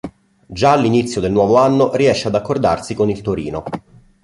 Già all'inizio del nuovo anno riesce ad accordarsi con il Torino.